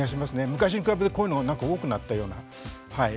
昔に比べてこういうのなんか多くなったようなはい。